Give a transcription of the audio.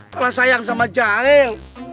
kalah sayang sama jahil